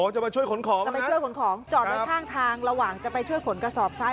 อ๋อจะไปช่วยขนของนะครับจอดในข้างทางระหว่างจะไปช่วยขนกระสอบซ้าย